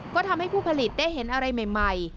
ก็ทำให้ผู้ผลิตได้เห็นอะไรใหม่